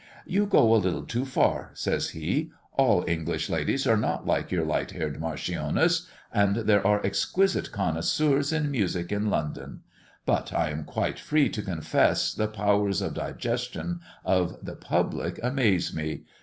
"You go a little too far," says he. "All English ladies are not like your light haired marchioness, and there are exquisite connoisseurs in music in London; but I am quite free to confess, the powers of digestion of the public amaze me.